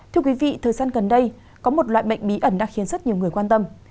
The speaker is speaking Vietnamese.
thưa quý vị thời gian gần đây có một loại bệnh bí ẩn đã khiến rất nhiều người quan tâm